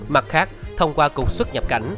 mặt khác thông qua cuộc xuất nhập cảnh